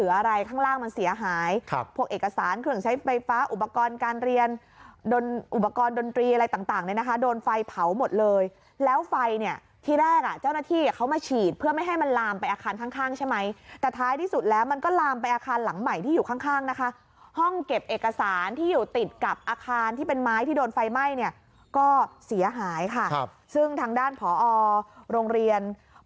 อุปกรณ์การเรียนอุปกรณ์ดนตรีอะไรต่างเลยนะคะโดนไฟเผาหมดเลยแล้วไฟเนี่ยที่แรกอ่ะเจ้าหน้าที่เขามาฉีดเพื่อไม่ให้มันลามไปอาคารข้างใช่ไหมแต่ท้ายที่สุดแล้วมันก็ลามไปอาคารหลังใหม่ที่อยู่ข้างนะคะห้องเก็บเอกสารที่อยู่ติดกับอาคารที่เป็นไม้ที่โดนไฟไหม้เนี่ยก็เสียหายค่ะซึ่งทางด้านผอโรงเรีย